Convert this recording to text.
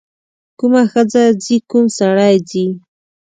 کومه ښځه ځي کوم سړی ځي.